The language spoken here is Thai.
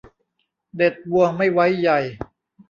เด็ดบัวไม่ไว้ใย